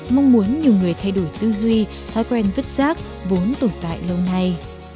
mong muốn nhiều người thay đổi tư duy thói quen vứt rác vốn tồn tại lâu nay